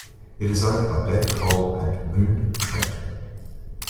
It is owned by David Cole and Moon Trent.